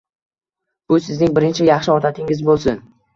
Bu sizning birinchi yaxshi odatingiz bo’lsin